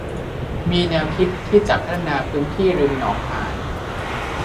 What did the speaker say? มีแนวคิดที่จะพัฒนาพื้นที่ริมหนองหาร